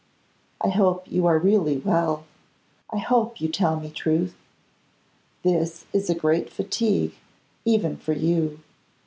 I hope you are really well: I hope you tell me truth. This is a great fatigue, even for you.